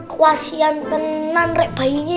kwasian tenang rek bayinya ya